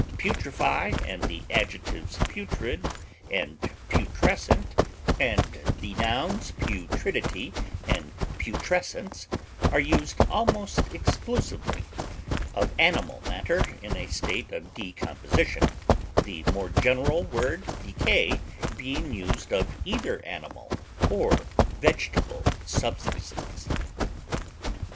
Putrefy and the adjectives putrid and putrescent, and the nouns putridity and putrescence, are used almost exclusively of animal matter in a state of decomposition, the more general word decay being used of either animal or vegetable substances.